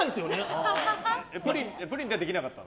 プリンではできなかった？